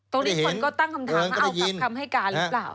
ตรงนี้คนก็ตั้งคำถามเอากลับคำให้การหรือเปล่า